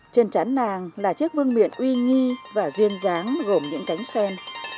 trên chán nàng là chiếc vương miện uy nghi và duyên dáng gồm những cánh sen